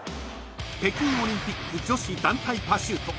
［北京オリンピック女子団体パシュート］